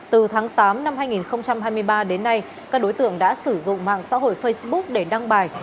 từ tháng tám năm hai nghìn hai mươi ba đến nay các đối tượng đã sử dụng mạng xã hội facebook để đăng bài